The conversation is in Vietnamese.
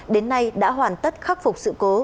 đến nay đã hoàn tất khắc phục sự cố